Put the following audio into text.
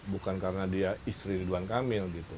bukan karena dia istri ridwan kamil gitu